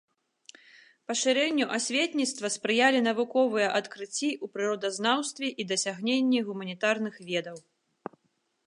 Пашырэнню асветніцтва спрыялі навуковыя адкрыцці ў прыродазнаўстве і дасягненні гуманітарных ведаў.